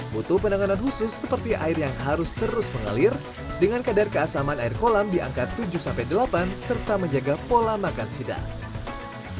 butuh penanganan khusus seperti air yang harus terus mengalir dengan kadar keasaman air kolam di angka tujuh delapan serta menjaga pola makan sidak